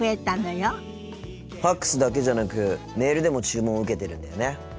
ＦＡＸだけじゃなくメールでも注文を受けてるんだよね。